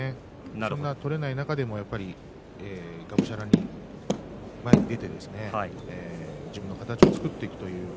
そんな取れない中でもがむしゃらに前に出て自分の形を作っていくという。